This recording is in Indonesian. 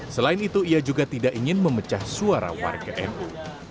selain itu ia juga tidak ingin memecah suara warga nu